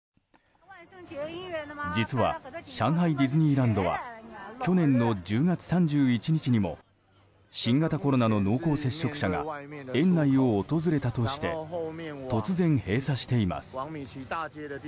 実は、上海ディズニーランドは去年の１０月３１日にも新型コロナの濃厚接触者が園内を訪れたとして突然、閉鎖しています。